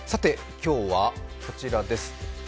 今日はこちらです。